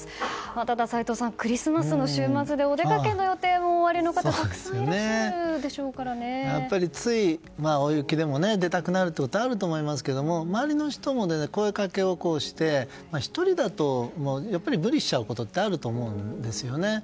ただ、齋藤さん、クリスマスも週末でお出かけの予定の方もたくさんやっぱり、つい大雪でも出たくなることがあるかもしれませんが周りの人も声掛けをして１人だと無理しちゃうことがあると思うんですよね。